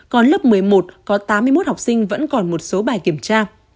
còn lớp một mươi một có tám mươi một học sinh vẫn còn một số bài kiểm tra